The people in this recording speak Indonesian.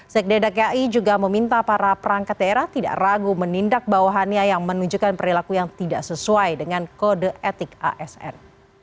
sekda dki juga meminta para perangkat daerah tidak ragu menindak bawahannya yang menunjukkan perilaku yang tidak sesuai dengan kode etik asn